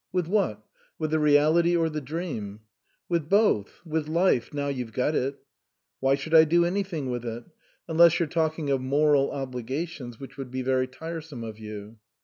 "With what? With the reality or the dream ?"" With both, with life now you've got it ?"" Why should I do anything with it ? Unless you're talking of moral obligations, which would be very tiresome of you."